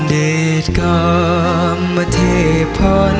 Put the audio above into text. เดชกรรมเทพภาค